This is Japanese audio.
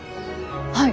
はい！